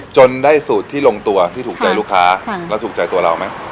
จนได้สูตรที่ลงตัวที่ถูกใจลูกค้าแล้วถูกใจตัวเราไหม